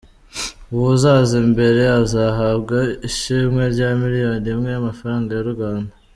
Uwo uzaza imbere azahabwa ishimwe rya miliyoni imwe y’amafaranga y’u Rwanda.